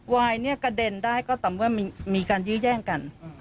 ไวน์กระเด็นได้ก็ต่อมือมีการยื้อแย่งกัน